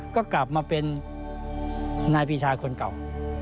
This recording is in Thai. ก็กลับมาเป็นนายปีชาคนเก่า